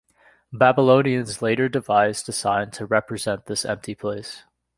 Babylonians later devised a sign to represent this empty place.